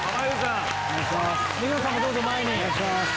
お願いします。